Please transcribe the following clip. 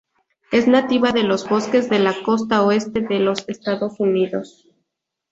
Es nativa de los bosques de la costa oeste de los Estados Unidos.